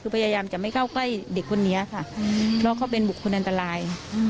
คือพยายามจะไม่เข้าใกล้เด็กคนนี้ค่ะเพราะเขาเป็นบุคคลอันตราย